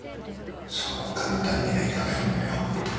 そう簡単にはいかないんだよ。